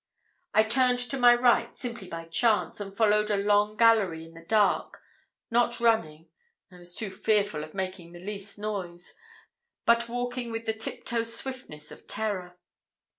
I turned to my right, simply by chance, and followed a long gallery in the dark, not running I was too fearful of making the least noise but walking with the tiptoe swiftness of terror.